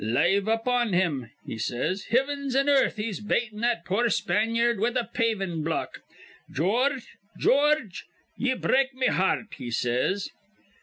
'Lave up on thim,' he says. 'Hivins an' earth, he's batin' that poor Spanyard with a pavin' block. George, George, ye break me hear rt,' he says.